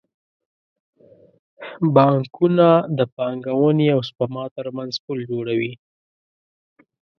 بانکونه د پانګونې او سپما ترمنځ پل جوړوي.